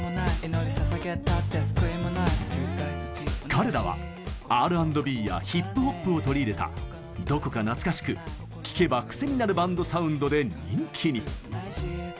彼らは、Ｒ＆Ｂやヒップポップを取り入れたどこか懐かしく聴けばクセになるバンドサウンドで人気に。